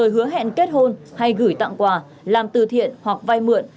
hứa hẹn kết hôn hay gửi tặng quà làm từ thiện hoặc vay mượn